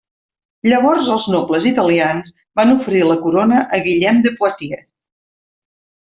Llavors els nobles italians van oferir la corona a Guillem de Poitiers.